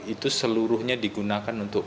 itu seluruhnya digunakan untuk